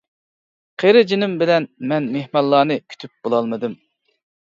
قېرى جىنىم بىلەن مەن مېھمانلارنى كۈتۈپ بولالمىدىم.